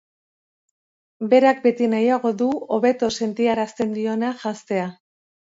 Berak beti nahiago du hobeto sentiarazten diona janztea.